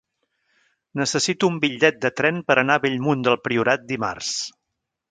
Necessito un bitllet de tren per anar a Bellmunt del Priorat dimarts.